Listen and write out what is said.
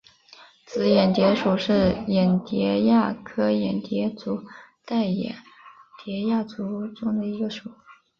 紫眼蝶属是眼蝶亚科眼蝶族黛眼蝶亚族中的一个属。